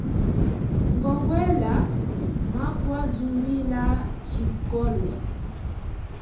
Ngongwela makwazuluila tshikolo.